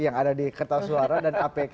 yang ada di kertas suara dan apk